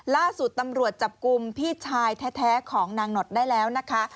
ล่าสุดตำรวจจับกลุ่มพี่ชายแท้ของนางหนอดได้แล้วนะคะ